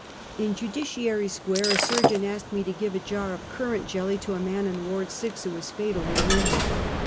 In Judiciary Square, a surgeon asked me to give a jar of currant jelly to a man in Ward Six, who was fatally wounded.